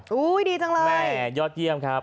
ดีจังเลยแม่ยอดเยี่ยมครับ